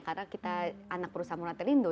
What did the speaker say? karena kita anak perusahaan moratelindo